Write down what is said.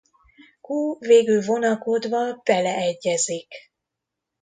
Q végül vonakodva beleegyezik.